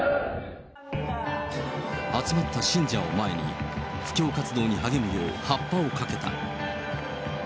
集まった信者を前に、布教活動に励むようハッパをかけた。